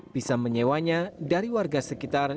bisa menyewanya dari warga sekitar